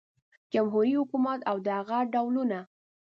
جمهوري حکومت او د هغه ډولونه